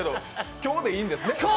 今日でいいです。